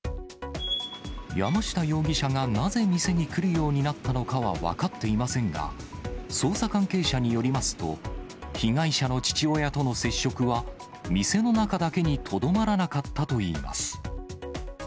山下容疑者がなぜ店に来るようになったのかは分かっていませんが、捜査関係者によりますと、被害者の父親との接触は、店の中だけにとどまらなかったといいます。